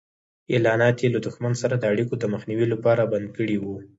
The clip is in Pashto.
اعلانات یې له دښمن سره د اړیکو د مخنیوي لپاره بند کړي وو.